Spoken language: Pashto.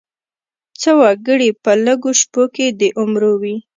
څه وګړي په لږو شپو کې د عمرو وي.